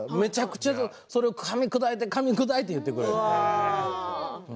するとめちゃくちゃかみ砕いてかみくだいて言ってくれる。